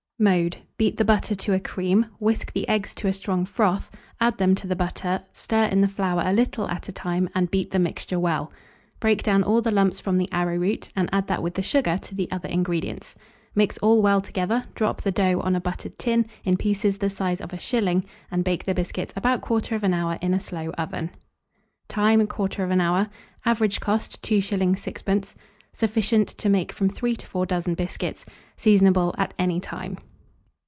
Mode. Beat the butter to a cream; whisk the eggs to a strong froth, add them to the butter, stir in the flour a little at a time, and beat the mixture well. Break down all the lumps from the arrowroot, and add that with the sugar to the other ingredients. Mix all well together, drop the dough on a buttered tin, in pieces the size of a shilling, and bake the biscuits about 1/4 hour in a slow oven. Time. 1/4 hour. Average cost, 2s. 6d. Sufficient to make from 3 to 4 dozen biscuits. Seasonable at any time.